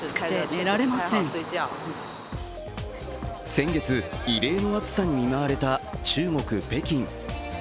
先月、異例の暑さに見舞われた中国・北京。